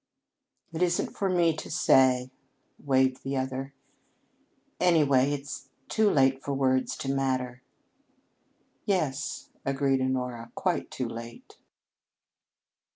"It isn't for me to say," wavered the other. "Any way, it's too late for words to matter." "Yes," agreed Honora. "Quite too late."